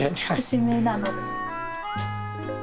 ・節目なので。